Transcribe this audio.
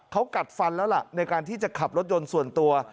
เขากัดฟันแล้วล่ะในการที่จะขับรถยนต์ส่วนตัว